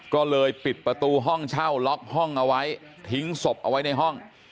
ก็เลยปิดประตูห้องเช่าล็อกห้องเอาไว้ทิ้งศพเอาไว้ในห้อง